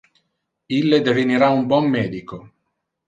Ille devenira un bon medico.